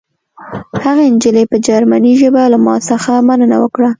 هغې نجلۍ په جرمني ژبه له ما څخه مننه وکړه